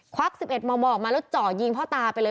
วัก๑๑มมออกมาแล้วเจาะยิงพ่อตาไปเลย